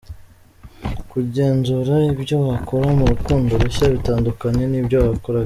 Kugenzura ibyo wakora mu rukundo rushya bitandukanye nibyo wakoraga.